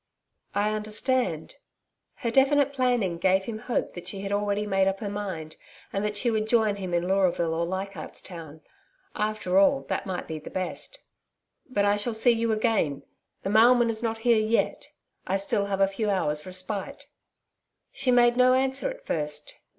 'I understand.' Her definite planning gave him hope that she had already made up her mind, and that she would join him in Leuraville or Leichardt's Town. After all, that might be best. 'But I shall see you again. The mailman is not here yet. I have still a few hours respite.' She made no answer at first.